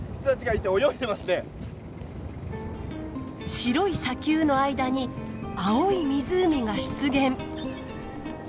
白い砂丘の間に青い湖が出現。